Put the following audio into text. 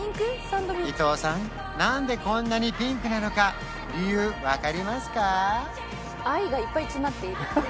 伊藤さん何でこんなにピンクなのか理由分かりますか？